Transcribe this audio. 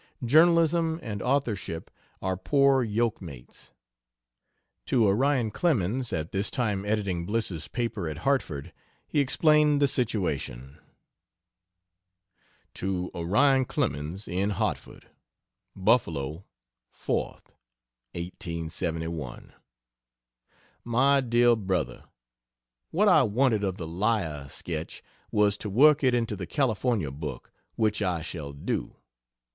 Journalism and authorship are poor yoke mates. To Onion Clemens, at this time editing Bliss's paper at Hartford, he explained the situation. To Onion Clemens, in Hartford: BUFFALO, 4th 1871. MY DEAR BRO, What I wanted of the "Liar" Sketch, was to work it into the California book which I shall do.